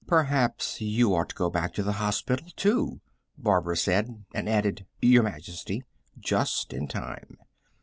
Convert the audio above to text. "Perhaps you ought to go back to the hospital, too," Barbara said, and added: "Your Majesty," just in time.